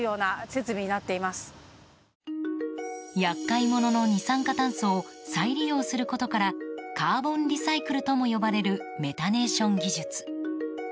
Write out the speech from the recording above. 厄介者の二酸化炭素を再利用することからカーボンリサイクルとも呼ばれるメタネーション技術。